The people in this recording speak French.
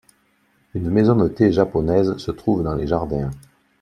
Une maison de thé japonaise se trouve dans les jardins.